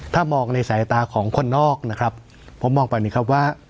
ถ้ามองในสายตาของคนนอกนะครับผมมองแบบนี้ครับว่า